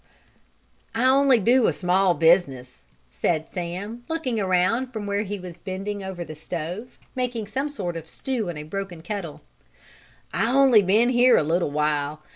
"I only do a small business," said Sam, looking around from where he was bending over the stove, making some sort of a stew in a broken kettle. "I only been here a little while.